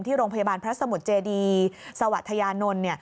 โรงพยาบาลพระสมุทรเจดีสวัสยานนท์